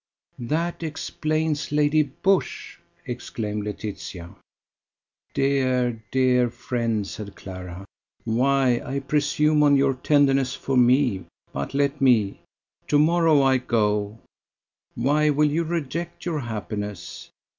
"That explains Lady Busshe!" exclaimed Laetitia. "Dear, dear friend," said Clara. "Why I presume on your tenderness for me; but let me: to morrow I go why will you reject your happiness?